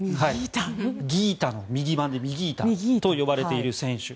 ギータの右版でミギータと呼ばれている選手。